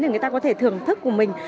để người ta có thể thưởng thức của mình